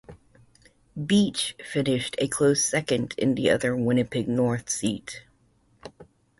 Beech finished a close second in the other Winnipeg North seat.